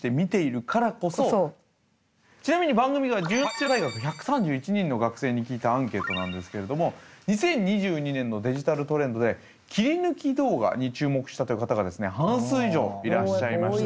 ちなみに番組が１８大学１３１人の学生に聞いたアンケートなんですけれども２０２２年のデジタルトレンドで切り抜き動画に注目したという方が半数以上いらっしゃいました。